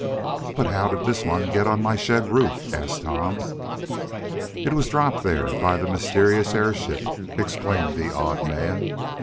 "But how did this one get on my shed roof?" asked Tom. "It was dropped there by the mysterious airship!" exclaimed the odd man.